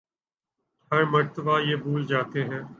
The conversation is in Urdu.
ہر مرتبہ یہ بھول جاتے ہیں